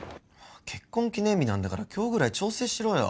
結婚記念日なんだから今日ぐらい調整しろよ。